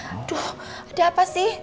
aduh ada apa sih